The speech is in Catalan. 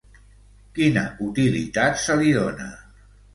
Quina utilitat se li dona?